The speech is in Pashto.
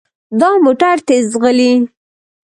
دا موټر تیز ځغلي.